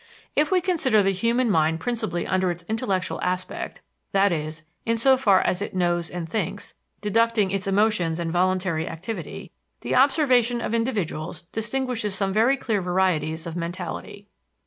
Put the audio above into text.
If we consider the human mind principally under its intellectual aspect i.e., insofar as it knows and thinks, deducting its emotions and voluntary activity the observation of individuals distinguishes some very clear varieties of mentality.